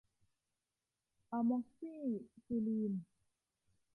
อะม็อกซี่ซิลีน